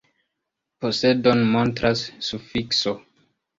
Posedon montras sufikso.